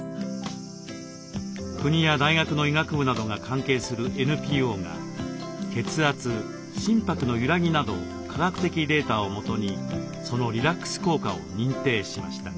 国や大学の医学部などが関係するＮＰＯが血圧心拍の揺らぎなど科学的データをもとにそのリラックス効果を認定しました。